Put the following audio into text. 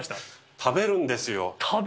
食べるんですよ。